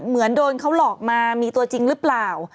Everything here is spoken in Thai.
เหมือนโดนเขาหลอกมามีตัวจริงหรือเปล่า